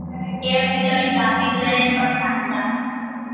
Era specializzato in scene di battaglia.